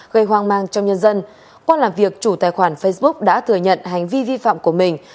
gây hoang mang trong nhân dân qua làm việc chủ tài khoản facebook đã thừa nhận hành vi vi phạm của mình